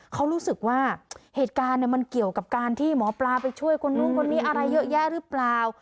เขารู้สึกว่าเหตุการณ์มันเกี่ยวกับการที่หมอปลาไปช่วยคนนู้นคนนี้อะไรเยอะแยะหรือเปล่า